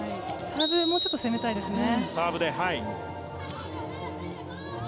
サーブ、もうちょっと攻めたいですね。